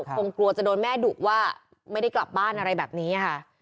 คงกลัวจะโดนแม่ดุว่าไม่ได้กลับบ้านอะไรแบบนี้ค่ะ